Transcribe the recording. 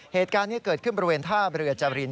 เหตุการณ์นี้เกิดขึ้นบริเวณท่าเรือจริน